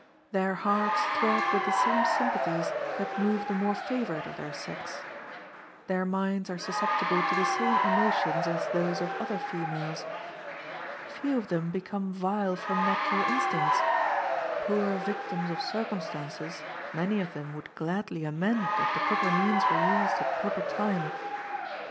Their hearts throb with the same sympathies that move the more favored of their sex. Their minds are susceptible to the same emotions as those of other females. Few of them become vile from natural instincts: poor victims of circumstances, many of them would gladly amend if the proper means were used at the proper time.